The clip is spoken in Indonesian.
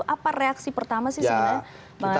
apa reaksi pertama sih sebenarnya bang